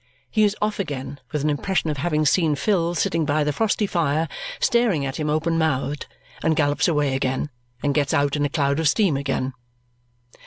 He is off again, with an impression of having seen Phil sitting by the frosty fire staring at him open mouthed, and gallops away again, and gets out in a cloud of steam again.